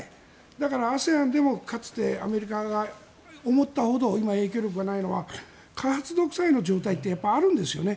だから、ＡＳＥＡＮでもアメリカが思ったほど今、影響力がないのは開発独裁の状態ってやっぱりあるんですよね。